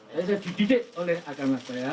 saya sudah dididik oleh agama saya